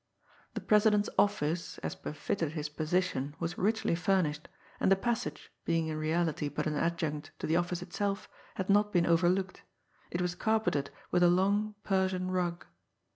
The president's office, as befitted his position, was richly furnished, and the passage, being in reality but an adjunct to the office itself, had not been overlooked it was carpeted with a long Persian rug.